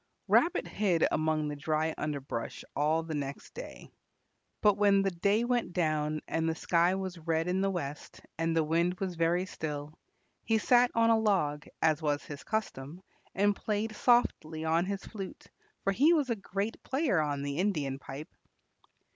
Rabbit hid among the dry underbrush all the next day. But when the day went down and the sky was red in the west and the wind was very still, he sat on a log, as was his custom, and played softly on his flute, for he was a great player on the Indian pipe.